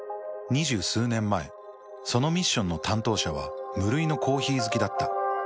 ２０数年前そのミッションの担当者は無類のコーヒー好きだった。